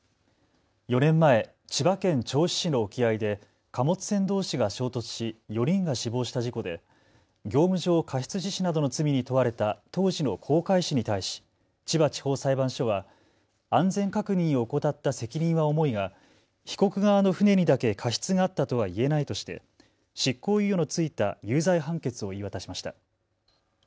４年前、千葉県銚子市の沖合で貨物船どうしが衝突し４人が死亡した事故で業務上過失致死などの罪に問われた当時の航海士に対し千葉地方裁判所は安全確認を怠った責任は重いが被告側の船にだけ過失があったとはいえないとして執行猶予の付いた有罪判決を言い渡しました。